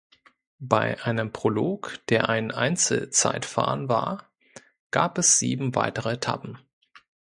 Bei einem Prolog, der ein Einzelzeitfahren war, gab es sieben weitere Etappen.